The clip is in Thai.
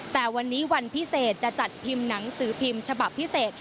แต่วันนี้วันพิเศษจะจัดพิมพ์หนังสือพิมพ์ฉบับพิเศษ